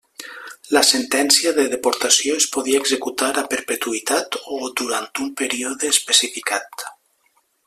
La sentència de deportació es podia executar a perpetuïtat o durant un període especificat.